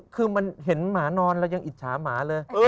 คือเห็นหมานอนแล้วยังอิจฉาหมาเลย